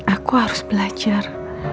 aku harus belajar